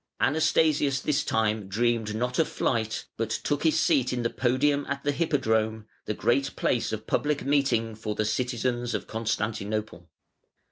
Anastasius this time dreamed not of flight, but took his seat in the podium at the Hippodrome, the great place of public meeting for the citizens of Constantinople.